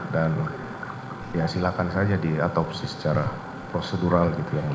dan ya silakan saja diatopsi secara prosedural